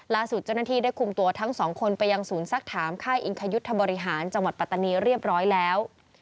ล่าสุดเจ้าหน้าที่ได้คุมตัวทั้งสองคนไปยังศูนย์สักถามค่ายอิงคยุทธบริหารจังหวัดปัตตานีเรียบร้อยแล้ว